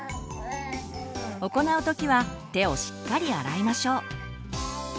行う時は手をしっかり洗いましょう。